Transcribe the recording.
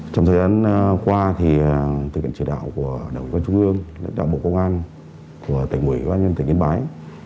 trong thời gian qua thì tự kiện truyền đạo của đảng quân trung ương đảng bộ công an của tỉnh nguyễn công an tỉnh yên bái